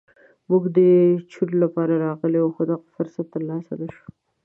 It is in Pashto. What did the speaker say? موږ د چور لپاره راغلي وو خو دغه فرصت تر لاسه نه شو.